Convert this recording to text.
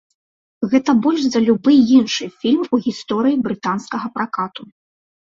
Гэта больш за любы іншы фільм у гісторыі брытанскага пракату.